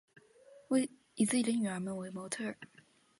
以自己女儿们为模特儿